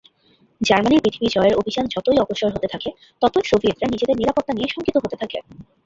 জার্মানীর পৃথিবী জয়ের অভিযান যতই অগ্রসর হতে থাকে ততই সোভিয়েতরা নিজেদের নিরাপত্তা নিয়ে শঙ্কিত হতে থাকে।